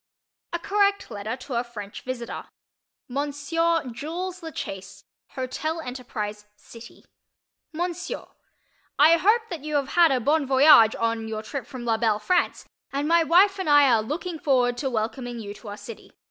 A CORRECT LETTER TO A FRENCH VISITOR Monsieur Jules La Chaise, Hotel Enterprise, City. MONSIEUR: I hope that you have had a bon voyage on your trip from la belle France, and my wife and I are looking forward to welcoming you to our city.